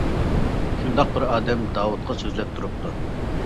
شۇنداق بىر ئادەم داۋۇتقا سۆزلەپ تۇرۇپتۇ.